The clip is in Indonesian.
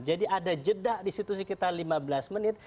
jadi ada jeda di situ sekitar lima belas menit